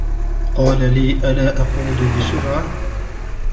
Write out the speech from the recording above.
قال لي ألا أقود بسرعة.